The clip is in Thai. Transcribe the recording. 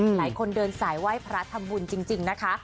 หลายคนเดินสายไหว้พระทำบุญจริงนะคะ